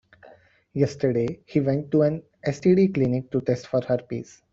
Yesterday, he went to an STD clinic to test for herpes.